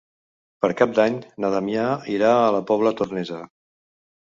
Per Cap d'Any na Damià irà a la Pobla Tornesa.